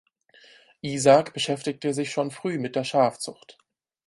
Isak beschäftigte sich schon früh mit der Schafzucht.